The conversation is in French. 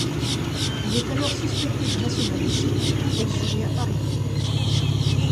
Il est alors suspecté de nationalisme et exilé à Paris.